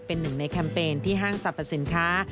เป็นหนึ่งในแคมเปญที่ห้างสรรพสินค้า